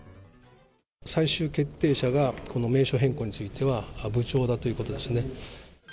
最終決定者がこの名称変更については部長だということですね。